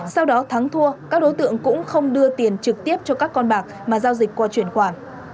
sau đó thắng thua các đối tượng cũng không đưa tiền trực tiếp cho các con bạc mà giao dịch qua chuyển khoản